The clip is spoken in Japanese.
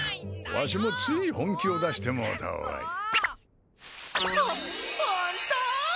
わしもつい本気を出してもうたわいホホント？